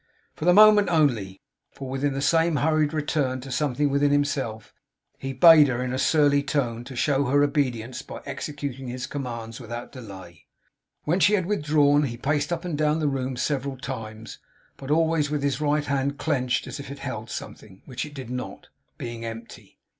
For the moment only; for, with the same hurried return to something within himself, he bade her, in a surly tone, show her obedience by executing his commands without delay. When she had withdrawn he paced up and down the room several times; but always with his right hand clenched, as if it held something; which it did not, being empty.